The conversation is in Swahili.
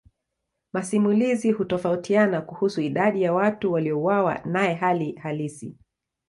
Masimulizi hutofautiana kuhusu idadi ya watu waliouawa naye hali halisi.